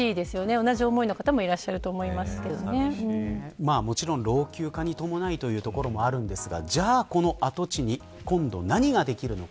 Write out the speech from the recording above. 同じ思いの方ももちろん老朽化に伴いというところもあるんですがじゃあ、この跡地に今度、何ができるのか。